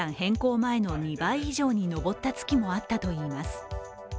前の２倍以上に上った月もあったといいます。